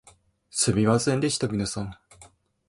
すみませんでした皆さん